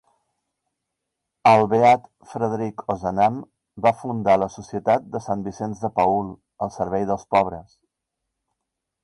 El beat Frederic Ozanam va fundar la Societat de St. Vicenç de Paül al servei dels pobres.